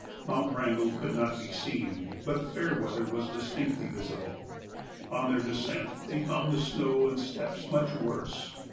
Mount Wrangel could not be seen, but Fairweather was distinctly visible. On their descent they found the snow and steps much worse.